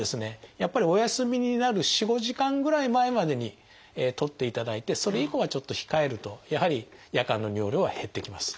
やっぱりお休みになる４５時間ぐらい前までにとっていただいてそれ以降はちょっと控えるとやはり夜間の尿量は減ってきます。